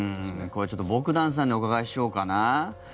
これはちょっとボグダンさんにお伺いしようかな。